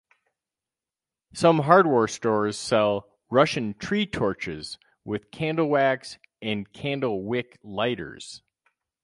Some hardware stores sell "Russian tree torches" with candle wax and candle wick lighters.